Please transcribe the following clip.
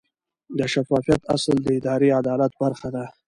د شفافیت اصل د اداري عدالت برخه ده.